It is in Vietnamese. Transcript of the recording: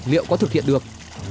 liệu có thực hiện được